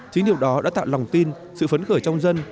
chính điều đó đã tạo lòng tin sự phấn khởi trong dân